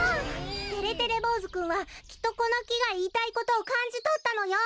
てれてれぼうずくんはきっとこのきがいいたいことをかんじとったのよ！